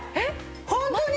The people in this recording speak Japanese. ホントに！？